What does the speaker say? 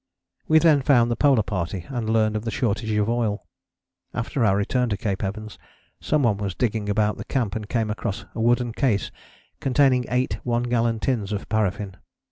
We then found the Polar Party and learned of the shortage of oil. After our return to Cape Evans some one was digging about the camp and came across a wooden case containing eight one gallon tins of paraffin.